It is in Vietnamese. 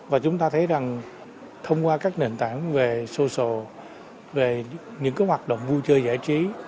và chúng ta thấy rằng thông qua các nền tảng về social về những hoạt động vui chơi giải trí